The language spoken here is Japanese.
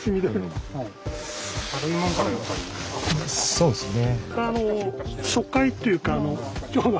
そうですね。